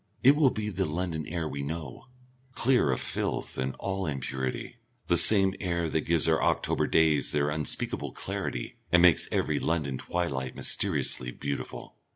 It will be the London air we know, clear of filth and all impurity, the same air that gives our October days their unspeakable clarity and makes every London twilight mysteriously beautiful.